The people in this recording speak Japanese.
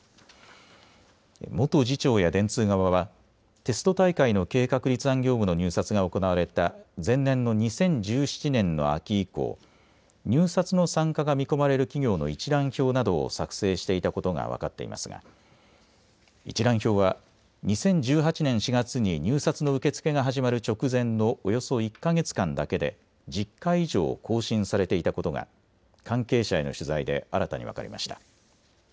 元次長や電通側はテスト大会の計画立案業務の入札が行われた前年の２０１７年の秋以降、入札の参加が見込まれる企業の一覧表などを作成していたことが分かっていますが一覧表は２０１８年４月に入札の受け付けが始まる直前のおよそ１か月間だけで１０回以上更新されていたことが関係者への取材で新たに分かりました。